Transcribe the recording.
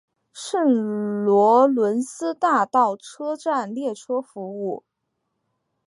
圣罗伦斯大道车站列车服务。